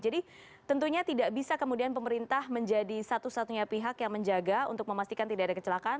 jadi tentunya tidak bisa kemudian pemerintah menjadi satu satunya pihak yang menjaga untuk memastikan tidak ada kecelakaan